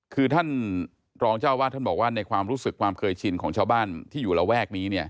คือท่านรองเจ้าวาดท่านบอกว่าในความรู้สึกความเคยชินของชาวบ้านที่อยู่ระแวกนี้